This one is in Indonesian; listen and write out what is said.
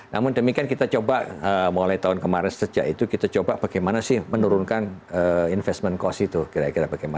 namun demikian kita coba mulai tahun kemarin sejak itu kita coba bagaimana sih menurunkan investment cost itu kira kira bagaimana